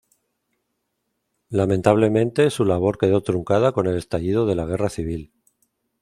Lamentablemente, su labor quedó truncada con el estallido de la Guerra Civil.